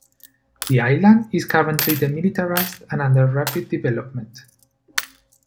The island is currently demilitarized and under rapid development.